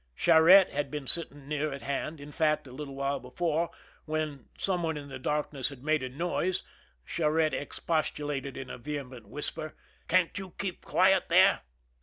Charette had been stirring near at hand ; in fact, a little while before, when some one in the darkness had made a noise, Charette expostulated in a vehe ment whisper :" Can't you keep quiet there